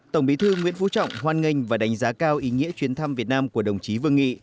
tổng bí thư nguyễn phú trọng hoan nghênh và đánh giá cao ý nghĩa chuyến thăm việt nam của đồng chí vương nghị